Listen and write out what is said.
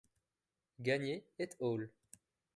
Gagné et al.